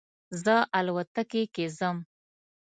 زه الوتکې کې ځم